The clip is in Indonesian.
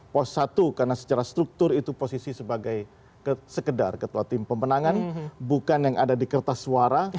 pos satu karena secara struktur itu posisi sebagai sekedar ketua tim pemenangan bukan yang ada di kertas suara